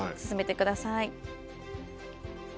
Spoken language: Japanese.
進めてください。